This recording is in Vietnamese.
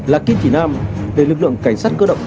là kim chỉ nam để lực lượng cảnh sát cơ động